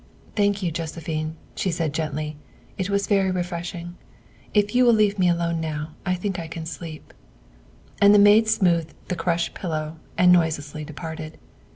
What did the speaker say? " Thank you, Josephine," she said gently, " it was very refreshing. If you will leave me alone now I think I can sleep." And the maid smoothed the crushed pillow and noise lessly departed.